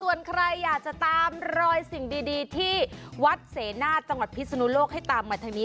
ส่วนใครอยากจะตามรอยสิ่งดีที่วัดเสนาทจังหวัดพิศนุโลกให้ตามมาทางนี้